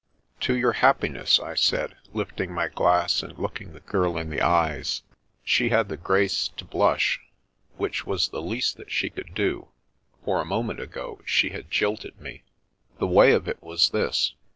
"To your happiness," I said, lifting my glass, and looking the girl in the eyes. She had the grace to blush, which was the least that she could do, for a moment ago she had jilted me. . The way of it was this.